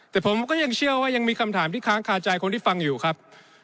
แต่ผมก็ยังเชื่อว่ายังมีคำถามที่ค้างคาใจคนที่ฟังอยู่ครับ